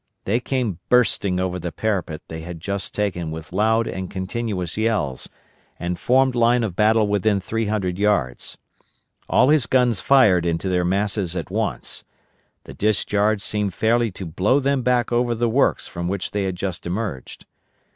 They came bursting over the parapet they had just taken with loud and continuous yells, and formed line of battle within three hundred yards. All his guns fired into their masses at once. The discharge seemed fairly to blow them back over the works from which they had just emerged.